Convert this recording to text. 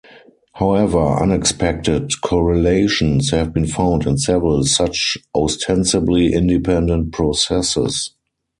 However, unexpected correlations have been found in several such ostensibly independent processes.